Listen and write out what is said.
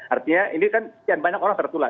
artinya ini kan sekian banyak orang tertular